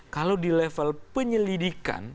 kalau di level penyelidikan